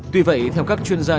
tuy vậy theo các chuyên gia